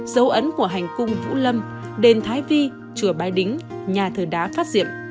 dấu ấn của hành cung vũ lâm đền thái vi chùa bái đính nhà thờ đá phát diệm